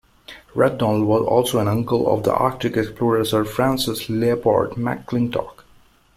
Rathdonnell was also an uncle of the Arctic explorer Sir Francis Leopold McClintock.